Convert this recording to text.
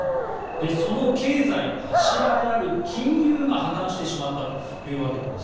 その経済の柱である金融が破綻してしまったわけです。